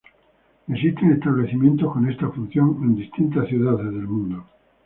Existen establecimientos con esta función, en distintas ciudades del mundo.